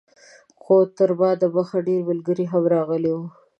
خو تر ما دمخه ډېر ملګري هم راغلي وو.